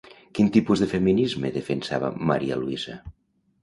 Quin tipus de feminisme defensava María Luisa?